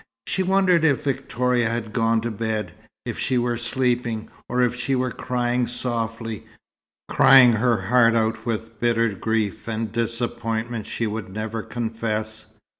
She wondered if Victoria had gone to bed; if she were sleeping, or if she were crying softly crying her heart out with bitter grief and disappointment she would never confess.